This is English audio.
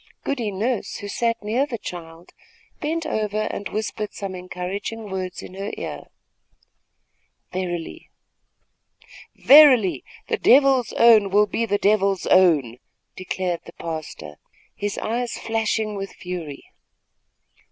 Goody Nurse, who sat near the child, bent over and whispered some encouraging words in her ear. "Verily, the Devil's own will be the Devil's own!" declared the pastor, his eyes flashing with fury.